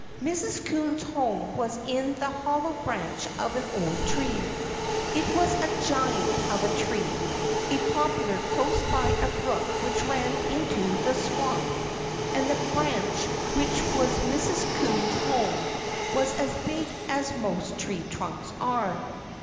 Mrs. Coon's home was in the hollow branch of an old tree. It was a giant of a tree a poplar close by a brook which ran into the swamp and the branch which was Mrs. Coon's home was as big as most tree trunks are.